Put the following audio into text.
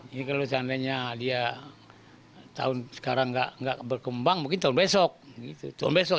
ini kalau seandainya dia tahun sekarang nggak berkembang mungkin tahun besok gitu